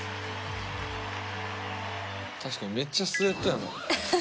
確かにめっちゃスエットやな。